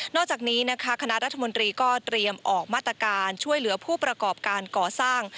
อกจากนี้นะคะคณะรัฐมนตรีก็เตรียมออกมาตรการช่วยเหลือผู้ประกอบการก่อสร้าง